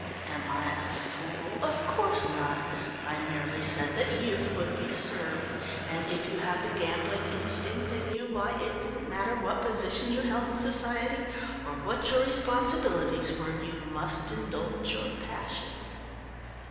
"Am I a fool? Of course not! I merely said that youth would be served, and if you have the gambling instinct in you, why, it didn't matter what position you held in society or what your responsibilities were, you must indulge your passion."